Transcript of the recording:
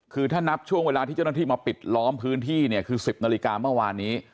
คือถ้านับช่วงเวลาที่เจ้าหน้าที่มาปิดล้อมพื้นที่เนี่ยคือ๑๐นาฬิกาเมื่อวานนี้